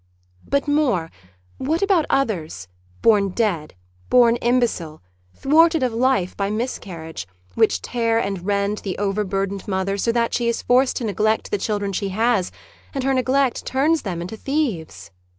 But more, what about others, born dead, born imbecile, xvi Reply xvii thwarted of life by miscarriage, which tear and rend the overburdened mother so that she is forced to neglect the children she has, and her neglect turns thenj into thieves?